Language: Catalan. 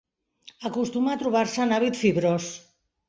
Acostuma a trobar-se en hàbit fibrós.